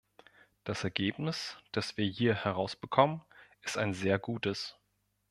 Das Ergebnis, das wir hier herausbekommen, ist ein sehr gutes.